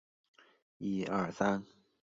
这个城市还有一个交响乐团和合唱团。